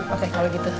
oke kalau gitu